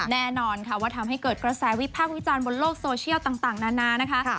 แน่นอนค่ะว่าทำให้เกิดกระแสวิพากษ์วิจารณ์บนโลกโซเชียลต่างนานานะคะ